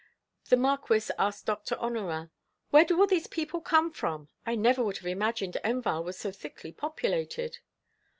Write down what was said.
The Marquis asked Doctor Honorat: "Where do all these people come from? I never would have imagined Enval was so thickly populated!"